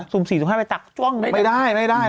สูงสี่สูงให้ไปตักจ้องน่ะเนี่ย